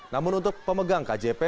namun untuk pemegang kjp